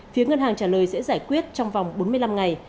phía ngân hàng trả lời sẽ giải quyết trong vòng bốn mươi năm ngày